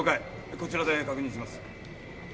こちらで確認します。